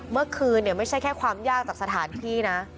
เมื่อคืนไม่ใช่แค่ความยากจากสถานที่นะ